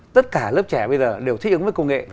tất cả lớp trẻ bây giờ đều thích ứng với công nghệ